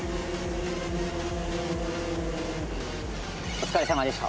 お疲れさまでした。